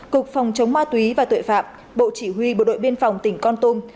cục phòng chống ma túy và tội phạm bộ chỉ huy bộ đội biên phòng tỉnh con tum